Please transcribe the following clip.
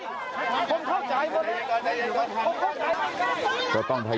กลับไปลองกลับ